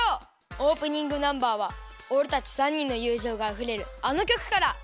オープニングナンバーはおれたち３にんのゆうじょうがあふれるあのきょくから！